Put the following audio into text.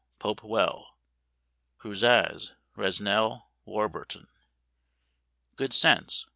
Pope well_. Crousaz. Resnel. Warburton. _Good sense.